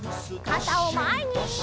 かたをまえに！